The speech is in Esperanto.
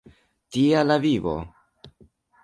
Tia la vivo!